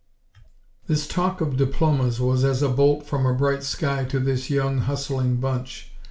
This talk of diplomas was as a bolt from a bright sky to this young, hustling bunch.